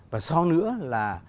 và sau nữa là